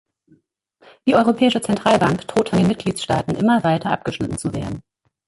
Die Europäische Zentralbank droht von den Mitgliedstaaten immer weiter abgeschnitten zu werden.